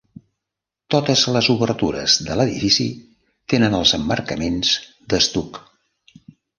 Totes les obertures de l'edifici tenen els emmarcaments d'estuc.